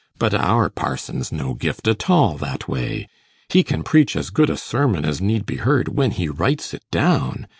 But our parson's no gift at all that way; he can preach as good a sermon as need be heard when he writes it down.